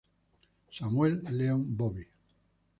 Samuel Leon Bowie.